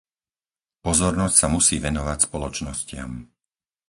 Pozornosť sa musí venovať spoločnostiam.